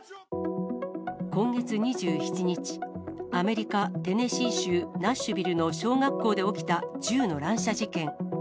今月２７日、アメリカ・テネシー州ナッシュビルの小学校で起きた銃の乱射事件。